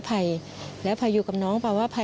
อยู่ดีมาตายแบบเปลือยคาห้องน้ำได้ยังไง